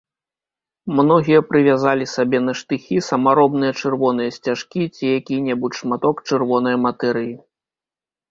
Многія прывязалі сабе на штыхі самаробныя чырвоныя сцяжкі ці які-небудзь шматок чырвонае матэрыі.